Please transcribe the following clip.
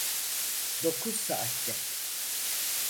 Dokuz saatte.